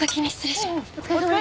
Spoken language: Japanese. お疲れさまです。